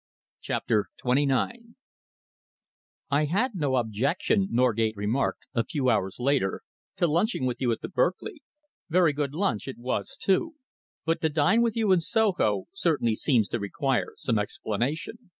CHAPTER XXIX "I had no objection," Norgate remarked, a few hours later, "to lunching with you at the Berkeley very good lunch it was, too but to dine with you in Soho certainly seems to require some explanation.